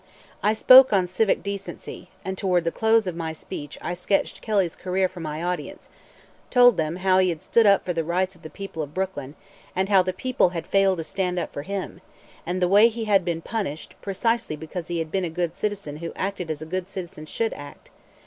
I spoke on civic decency, and toward the close of my speech I sketched Kelly's career for my audience, told them how he had stood up for the rights of the people of Brooklyn, and how the people had failed to stand up for him, and the way he had been punished, precisely because he had been a good citizen who acted as a good citizen should act.